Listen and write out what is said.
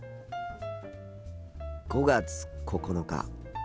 ５月９日。